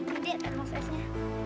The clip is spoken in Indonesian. ini dia termosesnya